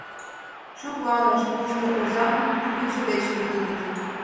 Шыпланышт, пуйто озан йӱкшӧ деч лӱдыныт.